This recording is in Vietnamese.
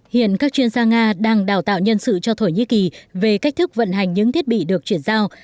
hiện các chuyên gia nga đang đào tạo nhân sự cho thổ nhĩ kỳ về cách thức vận hành những thiết bị được chuyển giao